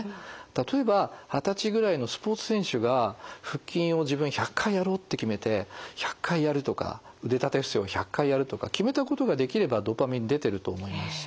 例えば二十歳ぐらいのスポーツ選手が腹筋を自分は１００回やろうって決めて１００回やるとか腕立て伏せを１００回やるとか決めたことができればドパミン出てると思いますし。